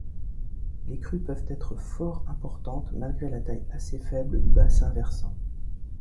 Les crues peuvent être fort importantes, malgré la taille assez faible du bassin versant.